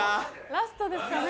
ラストですかね。